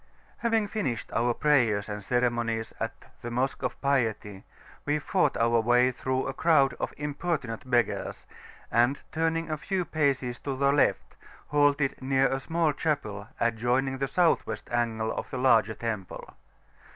Having finished our prayers and ceremonies at the Mosque of Piety, we fought our way out through a crowd of importunate beggars, and turning a few paces to the left, halted near a small chapel adjoining the South West angle of the larger temple.